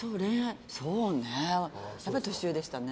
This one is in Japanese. そうね、やっぱり年上でしたね。